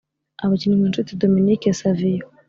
Abakinnyi nka Nshuti Dominique Savio